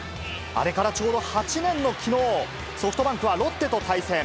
あれからちょうど８年のきのう、ソフトバンクはロッテと対戦。